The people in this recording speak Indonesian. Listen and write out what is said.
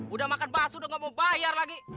udah makan bakso udah gak mau bayar lagi